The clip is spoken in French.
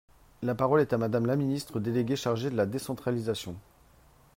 La parole est à Madame la ministre déléguée chargée de la décentralisation.